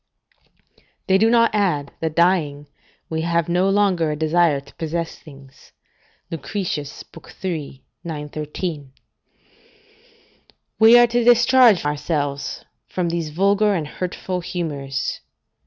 ["They do not add, that dying, we have no longer a desire to possess things." Lucretius, iii. 913.] We are to discharge ourselves from these vulgar and hurtful humours.